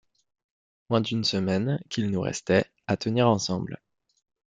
Moins d’une semaine, qu’il nous restait, à tenir ensemble.